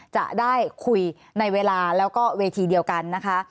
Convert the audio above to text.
จะได้คุยในเวลาแล้วก็เวทีเดียวกันนะคะ